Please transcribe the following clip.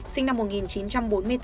sinh năm một nghìn chín trăm bốn mươi tám